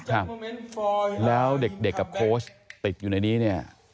ครับแล้วเด็กเด็กกับโค้ชติดอยู่ในนี้เนี่ย